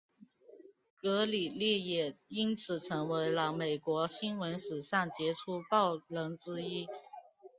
格里利也因此成为了美国新闻史上杰出报人之一。